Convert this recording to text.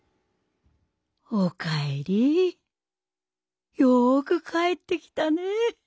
おかえりよく帰ってきたね。